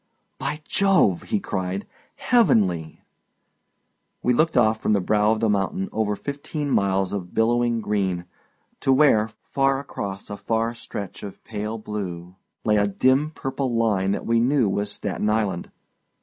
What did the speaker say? "By Jove!" he cried, "heavenly!" We looked off from the brow of the mountain over fifteen miles of billowing green, to where, far across a far stretch of pale blue lay a dim purple line that we knew was Staten Island.